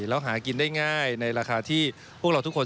แล้วหากินได้ง่ายในราคาที่พวกเราทุกคน